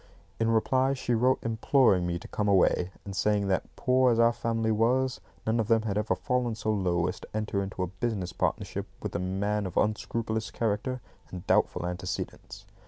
In reply she wrote imploring me to come away, and saying that, poor as our family was, none of them had ever fallen so low as to enter into a business partnership with a man of unscrupulous character and doubtful antecedents.